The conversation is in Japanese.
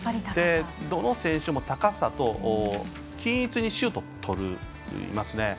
どの選手も高さと均一にシュートをとりますね。